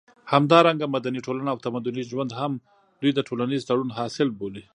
همدارنګه مدني ټولنه او تمدني ژوند هم دوی د ټولنيز تړون حاصل بولي